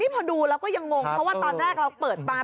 พอดูเราก็ยังงงเพราะว่าตอนแรกเราเปิดปลา